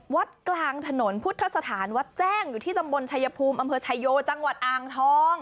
วัดกลางถนนพุทธสถานวัดแจ้งอยู่ที่ตำบลชายภูมิอำเภอชายโยจังหวัดอ่างทอง